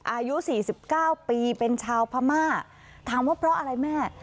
อายุสี่สิบเก้าปีเป็นชาวพม่าถามว่าเพราะอะไรแม่